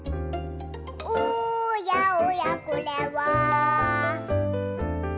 「おやおやこれは」